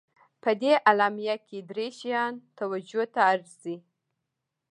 په دې اعلامیه کې درې شیان توجه ته ارزي.